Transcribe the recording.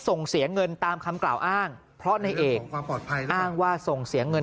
ส่งเสียเงินตามคำกล่าวอ้างเพราะในเอกอ้างว่าส่งเสียเงิน